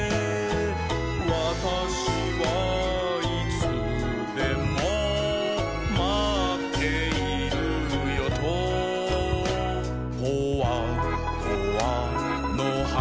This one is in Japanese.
「わたしはいつでもまっているよと」「ポワポワのはな」